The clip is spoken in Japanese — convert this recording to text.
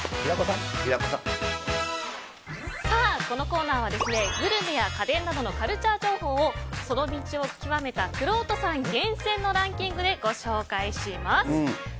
このコーナーはグルメや家電などのカルチャー情報をその道を究めたくろうとさん厳選のランキングでご紹介します。